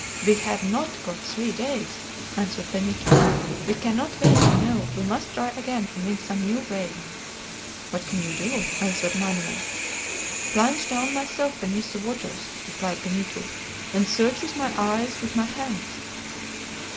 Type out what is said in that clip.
"We have not got three days," answered Benito. "We cannot wait, you know; we must try again, and in some new way." "What can you do?" answered Manoel. "Plunge down myself beneath the waters," replied Benito, "and search with my eyes with my hands."